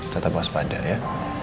tetap waspada ya